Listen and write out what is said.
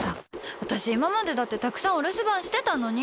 私、今までだってたくさんお留守番してたのに！